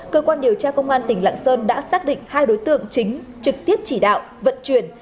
cơ quan điều tra công an tỉnh lạng sơn đã xác định hai đối tượng chính trực tiếp chỉ đạo vận chuyển